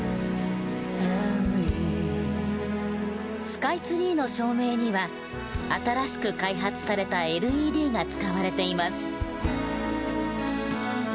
スカイツリーの照明には新しく開発されたＬＥＤが使われています。